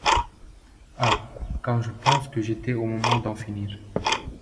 Ah! quand je pense que j’étais au moment d’en finir !